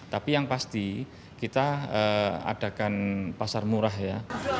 tapi yang pasti kita adakan pasar murah ya